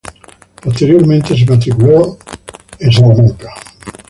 Posteriormente, se matriculó en Harvard.